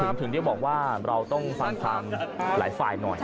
ถึงได้บอกว่าเราต้องฟังความหลายฝ่ายหน่อย